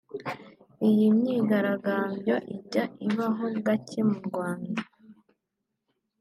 Iyi myigaragambyo ijya ibaho gake mu Rwanda